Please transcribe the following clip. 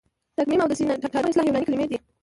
تګمیم او د سینټاګم اصطلاح یوناني کلیمې دي.